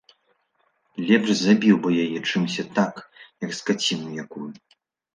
Лепш забіў бы яе, чымся так, як скаціну якую.